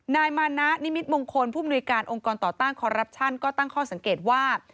นายมานะนิมิตมงคลผู้มนุยการองค์กรต่อต้านคอรัปชั่นก็ตั้งข้อสังเกตว่า